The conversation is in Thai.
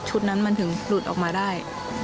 นั้นมันถึงหลุดออกมาได้